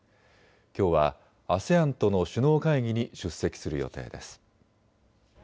きょうはＡＳＥＡＮとの首脳会議に出席する予定です。